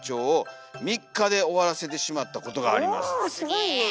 おすごいねえ。